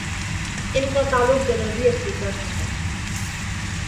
ان کا تعلق جنوبی افریقہ سے ہے۔